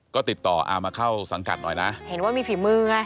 ก็ติดต่ออ่ามาเข้าสังกัดหน่อยนะเห็นว่ามีฝีมือไง